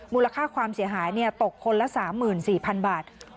มูลค่าความเสียหายตกคนละ๓๔๐๐๐บาท